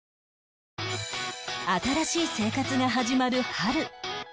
新しい生活が始まる春